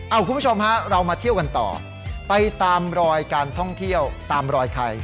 คุณผู้ชมฮะเรามาเที่ยวกันต่อไปตามรอยการท่องเที่ยวตามรอยไข่